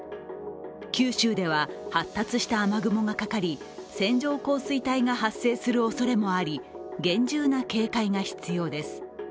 九州では発達した雨雲がかかり線状降水帯が発生するおそれもあり、厳重な警戒が必要です。